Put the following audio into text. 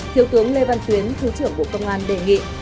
thiếu tướng lê văn tuyến thứ trưởng bộ công an đề nghị